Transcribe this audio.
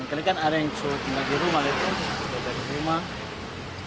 karena kan ada yang selalu tinggal di rumah